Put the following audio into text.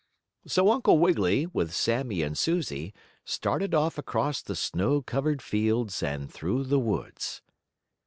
So Uncle Wiggily, with Sammie and Susie, started off across the snow covered fields and through the woods.